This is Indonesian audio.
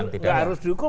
tidak harus dihukum